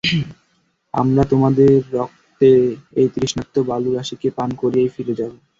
আমরা তোমাদের রক্ত এই তৃষ্ণার্ত বালুরাশিকে পান করিয়েই ফিরে যাব।